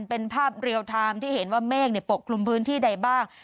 เป็นภาพเรียลไทม์ที่เห็นว่าเมฆปกคลุมพื้นที่ใดบ้าง